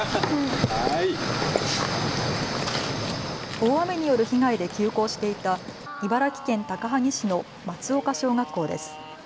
大雨による被害で休校していた茨城県高萩市の松岡小学校です。